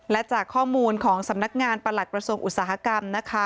และจากข้อมูลของสำนักงานประหลักกระทรวงอุตสาหกรรมนะคะ